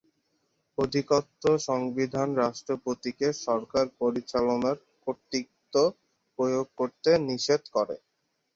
অধিকন্তু, সংবিধান রাষ্ট্রপতিকে সরকার পরিচালনার কর্তৃত্ব প্রয়োগ করতে নিষেধ করে।